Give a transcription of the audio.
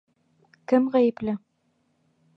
Кем ғәйепле?